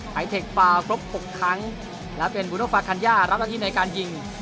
ไทเทคปลาวครบ๖ครั้งและเป็นบุตรฟาคัญญารับละทิในการยิง